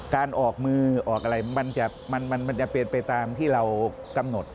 การออกมือออกอะไรมันจะเป็นไปตามที่เรากำหนด